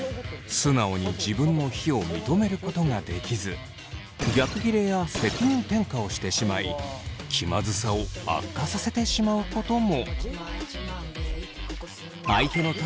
素直に自分の非を認めることができず逆ギレや責任転嫁をしてしまい気まずさを悪化させてしまうことも。